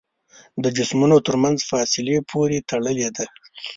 د جسمونو تر منځ فاصلې پورې تړلې ده.